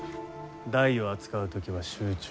台を扱う時は集中。